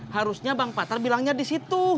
harusnya bang patar bilangnya disitu